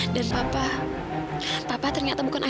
dan papa papa ternyata bukan ayahku